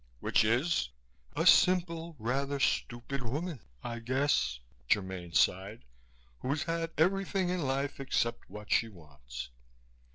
"Which is?" "A simple, rather stupid woman, I guess," Germaine sighed, "who's had everything in life except what she wants."